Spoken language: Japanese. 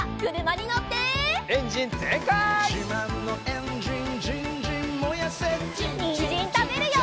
にんじんたべるよ！